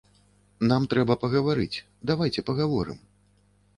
Нам трэба пагаварыць, давайце пагаворым.